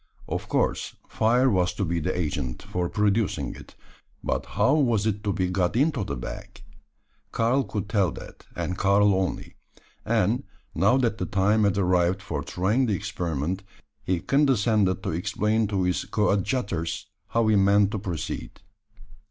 Of course, fire was to be the agent for producing it: but how was it to be got into the bag? Karl could tell that, and Karl only; and, now that the time had arrived for trying the experiment, he condescended to explain to his coadjutors how he meant to proceed.